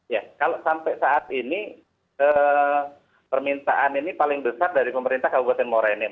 ya kalau sampai saat ini permintaan ini paling besar dari pemerintah kabupaten morenin